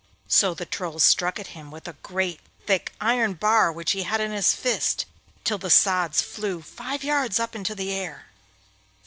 So the Troll struck at him with a great thick iron bar which he had in his fist, till the sods flew five yards up into the air.